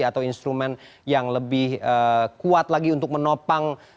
atau instrumen yang lebih kuat lagi untuk menopang